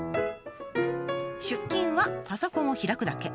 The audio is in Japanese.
出勤はパソコンを開くだけ。